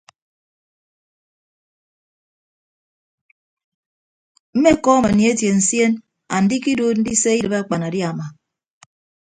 Mmekọọm anietie nsien andikiduud ndise idịb akpanadiama.